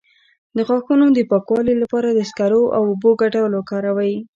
د غاښونو د پاکوالي لپاره د سکرو او اوبو ګډول وکاروئ